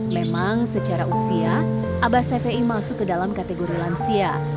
memang secara usia abah safei masuk ke dalam kategori lansia